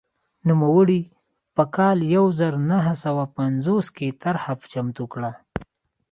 نوموړي په کال یو زر نهه سوه پنځوس کې طرحه چمتو کړه.